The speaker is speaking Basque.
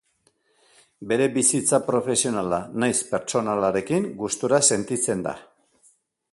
Bere bizitza profesionala nahiz pertsonalarekin gustura sentitzen da.